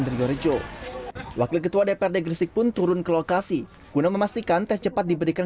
trijorejo wakil ketua dprd gresik pun turun ke lokasi guna memastikan tes cepat diberikan